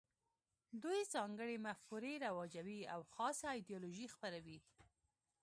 دوی ځانګړې مفکورې رواجوي او خاصه ایدیالوژي خپروي